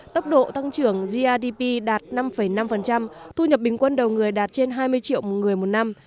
tốc độ tăng trưởng grdp đạt năm năm thu nhập bình quân đầu người đạt trên hai mươi triệu một người một năm